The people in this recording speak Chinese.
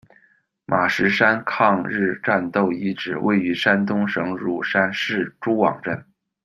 马石山抗日战斗遗址，位于山东省乳山市诸往镇。